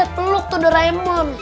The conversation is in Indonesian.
peluk tuh doraemon